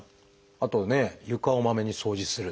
あと床をまめに掃除する。